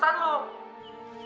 sebaiknya lo ngasih tahu